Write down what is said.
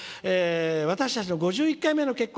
「私たちの５１回目の結婚